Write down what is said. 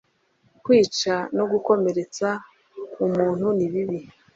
kwica no gukomeretsa umuntu nibibi